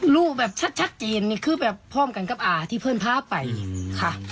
รูปแบบชัดเจนนี่คือแบบพร้อมกันกับอาที่เพื่อนพาไปค่ะ